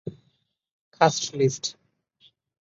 Cast list